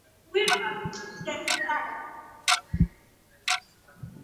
virusi vya ukimwi haviambukizwi kwa kugusana mikono